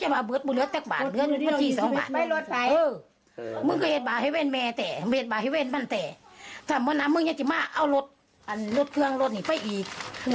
ไม่รู้ว่าไปหายหรอก